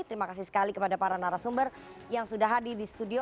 terima kasih sekali kepada para narasumber yang sudah hadir di studio